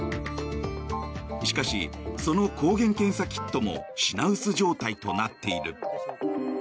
しかし、その抗原検査キットも品薄状態となっている。